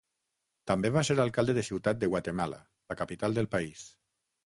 També va ser alcalde de Ciutat de Guatemala, la capital del país.